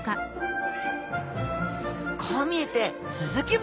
こう見えてスズキ目。